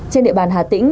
trên địa bàn hà tĩnh